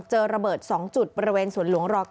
ระเบิด๒จุดบริเวณสวนหลวงร๙